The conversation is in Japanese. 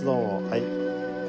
はい。